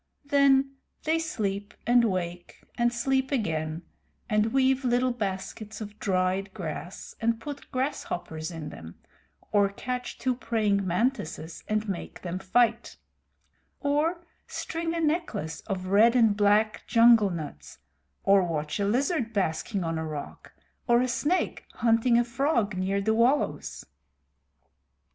Then they sleep and wake and sleep again, and weave little baskets of dried grass and put grasshoppers in them; or catch two praying mantises and make them fight; or string a necklace of red and black jungle nuts; or watch a lizard basking on a rock, or a snake hunting a frog near the wallows.